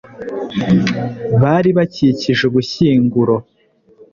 bari bakikije ubushyinguro